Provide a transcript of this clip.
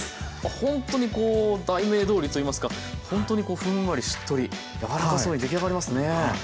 ほんとにこう題名どおりといいますかほんとにこうふんわりしっとり柔らかそうに出来上がりますね。